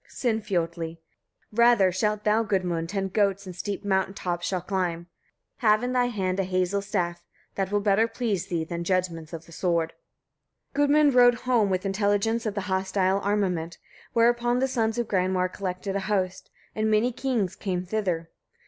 Sinfiotli. 20. Rather shalt thou, Gudmund! tend goats, and steep mountain tops shalt climb, have in thy hand a hazel staff, that will better please thee than judgments of the sword. Gudmund rode home with intelligence of the hostile armament; whereupon the sons of Granmar collected a host, and many kings came thither.